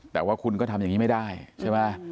แต่ว่าคุณก็ทำยังไม่ได้ใช่ไม่